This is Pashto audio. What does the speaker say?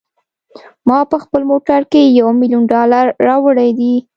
ما په خپل موټر کې یو میلیون ډالره راوړي دي.